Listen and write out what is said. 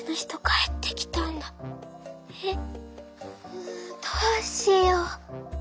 えっ！どうしよう」。